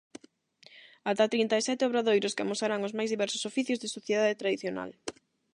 Ata trinta e sete obradoiros que amosarán os máis diversos oficios da sociedade tradicional.